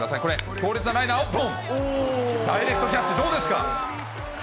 強烈なライナーをダイレクトキャッチ、どうですか。